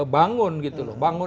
bangun gitu loh bangun